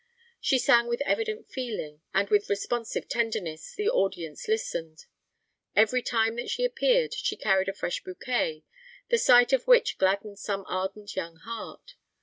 She sang with evident feeling, and with responsive tenderness the audience listened. Every time that she appeared she carried a fresh bouquet, the sight of which gladdened some ardent young heart.